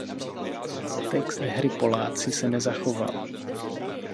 Text hry Poláci se nezachoval.